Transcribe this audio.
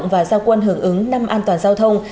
và giao quân hưởng ứng năm an toàn giao thông